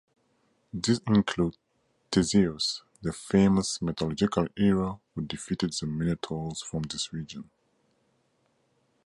These include Theseus, the famous mythological hero who defeated the Minotaurs from this region.